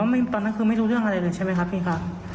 ตอนนั้นคือไม่รู้เรื่องอะไรเลยใช่ไหมครับพี่ครับ